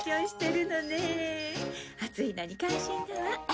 暑いのに感心だわ。